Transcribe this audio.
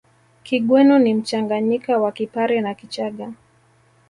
Kigweno ni mchanganyika wa Kipare na Kichaga